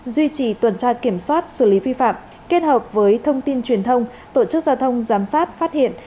duy trì tuần tra kiểm soát xử lý vi phạm kết hợp với thông tin truyền thông tổ chức giao thông giám sát phát hiện